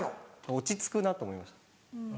落ち着くなと思いました。